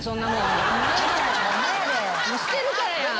捨てるからやん